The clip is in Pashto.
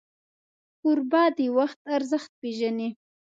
کوربه د وخت ارزښت پیژني.